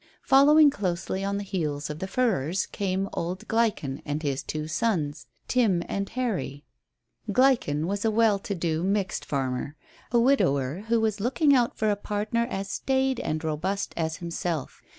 Following closely on the heels of the Furrers came old Gleichen and his two sons, Tim and Harry. Gleichen was a well to do "mixed" farmer a widower who was looking out for a partner as staid and robust as himself.